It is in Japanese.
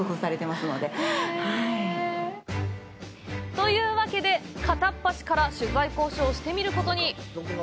というわけで、片っ端から取材交渉してみることに。